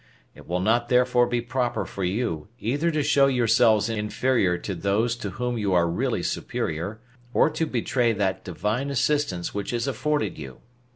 It will not therefore be proper for you, either to show yourselves inferior to those to whom you are really superior, or to betray that Divine assistance which is afforded you.